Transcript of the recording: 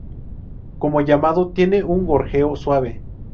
Como llamado, tienen un gorjeo suave.